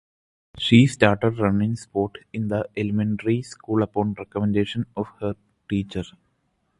She started running sport in the elementary school upon recommendation of her teacher.